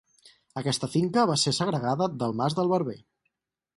Aquesta finca va ser segregada del mas del Barber.